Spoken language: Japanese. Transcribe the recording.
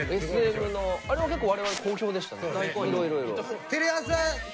あれは結構我々好評でしたね。